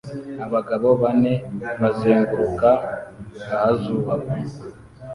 Abagabo bane bazenguruka ahazubakwa